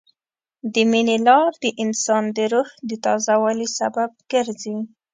د مینې لار د انسان د روح د تازه والي سبب ګرځي.